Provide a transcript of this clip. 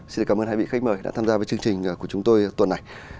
xin cảm ơn hai vị khách mời đã tham gia với chương trình của chúng tôi tuần này